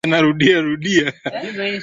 muziki rfi u hali gani mpenzi msikilizaji